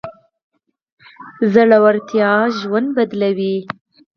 زړورتيا ژوند بدلوي.